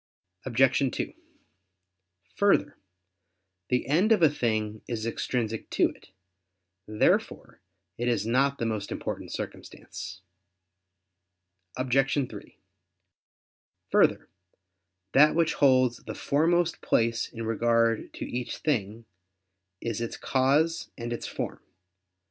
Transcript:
Obj. 2: Further, the end of a thing is extrinsic to it. Therefore it is not the most important circumstance. Obj. 3: Further, that which holds the foremost place in regard to each thing, is its cause and its form.